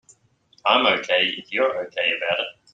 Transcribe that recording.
I'm OK if you're OK about it.